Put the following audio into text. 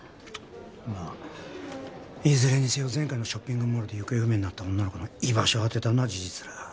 まあいずれにせよ前回のショッピングモールで行方不明になった女の子の居場所を当てたのは事実だ。